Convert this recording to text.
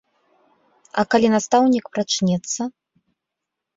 А калі настаўнік прачнецца?